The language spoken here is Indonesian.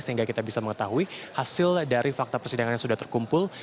sehingga kita bisa mengetahui hasil dari fakta persidangan yang sudah terkumpul